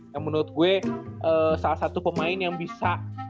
yang menurut gue salah satu pemain yang bisa